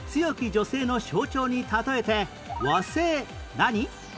女性の象徴に例えて和製何？